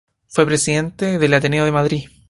Fue presidente del Ateneo de Madrid.